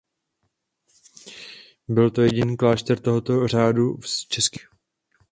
Byl to jediný klášter tohoto řádu v českých zemích.